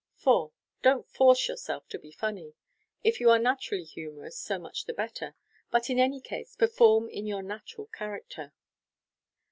4. Don't force yourself to be funny. If you are naturally humorous, so much the better j but in any case perform in your natural character.